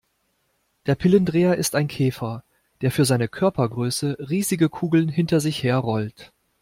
Der Pillendreher ist ein Käfer, der für seine Körpergröße riesige Kugeln hinter sich her rollt.